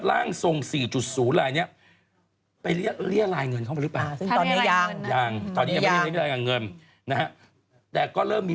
ล่างทรง๔๐ณอะไรอย่างนี้